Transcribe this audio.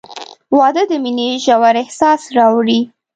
• واده د مینې ژور احساس راوړي.